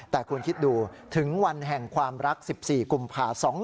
แต่คุณคิดดูถึงวันแห่งความรัก๑๔กุมภา๒๕๖